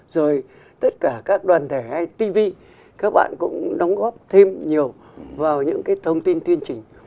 rồi tất cả các đoàn thể hay tivi các bạn cũng đóng góp thêm nhiều vào những cái thông tin